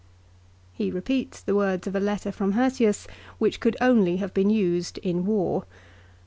" He repeats the words of a letter from Hirtius which could only have been used in war.